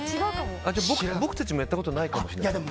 僕たちもやったことないかも？